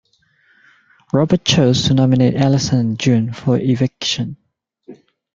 Robert chose to nominate Alison and Jun for eviction.